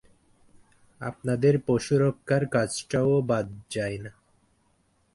আপনাদের পশুরক্ষার কাজটাও বাদ যায় না।